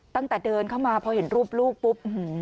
ตั้งแต่เดินเข้ามาพอเห็นรูปลูกปุ๊บ